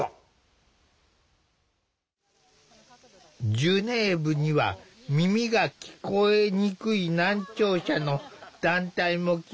ジュネーブには耳が聞こえにくい難聴者の団体も来ていた。